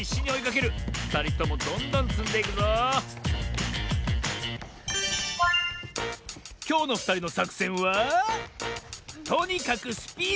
ふたりともどんどんつんでいくぞきょうのふたりのさくせんはとにかくスピードしょうぶ！